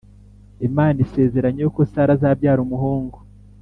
Imana isezeranya yuko Sara azabyara umuhungu